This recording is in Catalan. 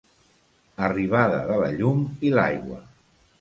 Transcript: Arribada de la llum i l'aigua.